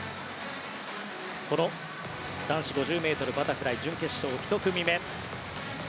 この男子５０ｍバタフライ準決勝１組目。